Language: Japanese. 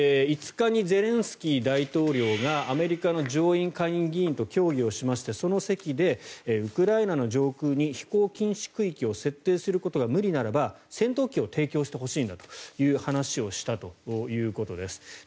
５日にゼレンスキー大統領がアメリカの上院下院議員と協議をしまして、その席でウクライナの上空に飛行禁止空域を設定することが無理ならば戦闘機を提供してほしいんだという話をしたということです。